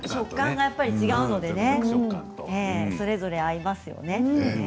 食感がそれぞれ合いますよね。